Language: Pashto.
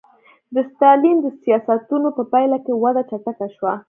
د ستالین د سیاستونو په پایله کې وده چټکه شوه